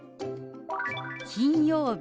「金曜日」。